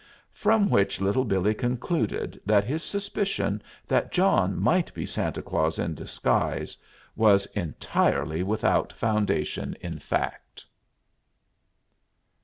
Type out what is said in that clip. From which Little Billee concluded that his suspicion that John might be Santa Claus in disguise was entirely without foundation in fact.